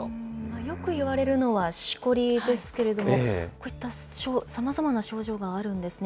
よく言われるのはしこりですけれども、こういったさまざまな症状があるんですね。